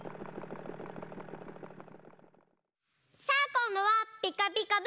さあこんどは「ピカピカブ！」